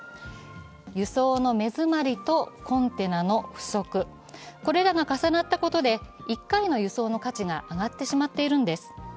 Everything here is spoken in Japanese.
輸送の目詰まりとコンテナの不足、これらが重なったことで１回の輸送の価値が上がってしまっているんです。